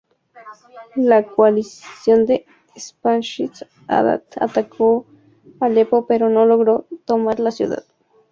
La coalición de Shamshi-Adad atacó Alepo pero no logró tomar la ciudad.